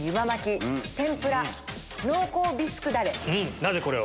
なぜこれを？